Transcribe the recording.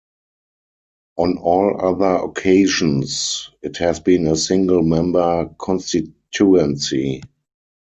On all other occasions, it has been a single-member constituency.